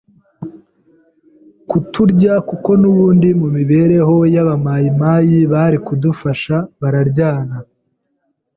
kuturya kuko nubundi mu mibereho y’aba mayimayi bari badufashe bararyana